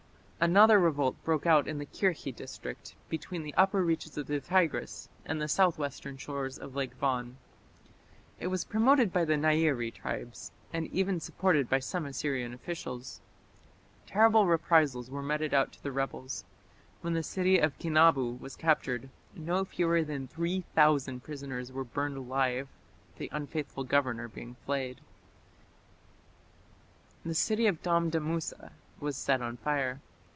Another revolt broke out in the Kirkhi district between the upper reaches of the Tigris and the southwestern shores of Lake Van. It was promoted by the Nairi tribes, and even supported by some Assyrian officials. Terrible reprisals were meted out to the rebels. When the city of Kinabu was captured, no fewer than 3000 prisoners were burned alive, the unfaithful governor being flayed. The city of Damdamusa was set on fire.